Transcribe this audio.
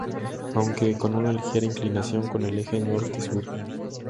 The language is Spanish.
Aunque con una ligera inclinación en el eje norte-sur.